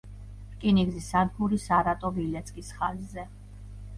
რკინიგზის სადგური სარატოვ—ილეცკის ხაზზე.